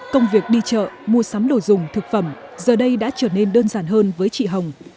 công việc đi chợ mua sắm đồ dùng thực phẩm giờ đây đã trở nên đơn giản hơn với chị hồng